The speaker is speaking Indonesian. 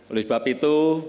oleh sebab itu